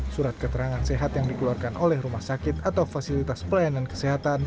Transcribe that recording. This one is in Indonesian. surat keterangan sehat yang dikeluarkan oleh rumah sakit atau fasilitas pelayanan kesehatan